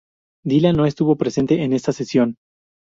Dylan no estuvo presente en esta sesión.